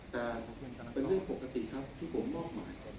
แต่เป็นเรื่องปกติครับที่ผมมอบหมาย